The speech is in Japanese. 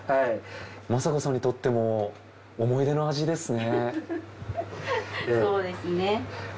方子さんにとっても思い出の味ですね。